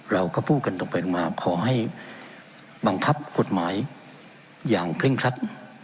เราก็พูดกันตรงไปตรงมาขอให้บังคับกฎหมายอย่างเคร่งครัด